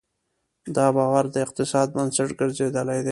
دا باور د اقتصاد بنسټ ګرځېدلی دی.